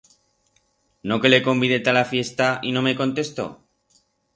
No que le convidé ta la fiesta y no me contestó!